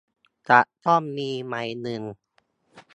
จะต้องมีใบเงิน